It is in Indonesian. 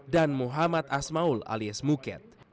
dan muhammad asmaul alias muked